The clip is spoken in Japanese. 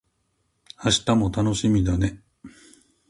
明日も楽しみだね